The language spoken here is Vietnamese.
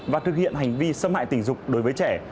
và thực hiện hành vi xâm hại tình dục đối với trẻ